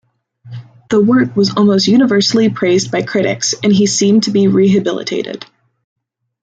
The work was almost universally praised by critics, and he seemed to be rehabilitated.